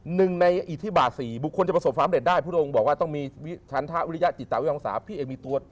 หนึ่งในอิทธิบาสี่บุคคลจะประสบความเร็จได้พระองค์บอกว่าต้องมีวิชันทวิริยจิตวิทยาพี่เองมีตัว